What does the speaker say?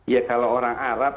ya kalau orang arab